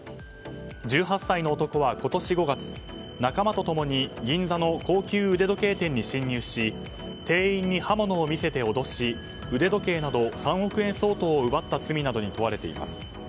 １８歳の男は今年５月仲間と共に銀座の高級腕時計店に侵入し店員に刃物を見せて脅し腕時計など３億円相当を奪った罪などに問われています。